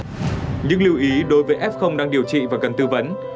nhưng lưu ý đối với f đang điều trị và cần tư vấn